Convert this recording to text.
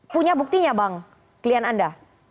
punya buktinya bang klien anda